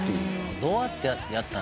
どうやってやったら。